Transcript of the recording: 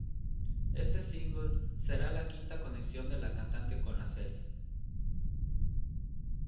Este single sería la quinta conexión de la cantante con la serie.